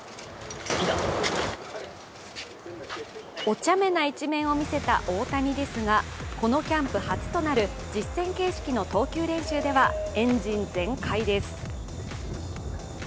お茶目な一面を見せた大谷ですが、このキャンプ初となる実戦形式の投球練習ではエンジン全開です。